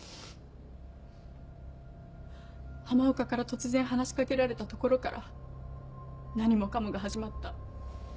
浜岡から突然話しかけられたところから何もかもが始まった。